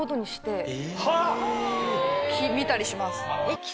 見たりします。